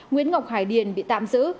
nguyễn ngọc hải điền bị tạm giữ